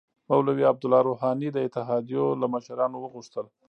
مولوی عبدالله روحاني د اتحادیو له مشرانو وغوښتل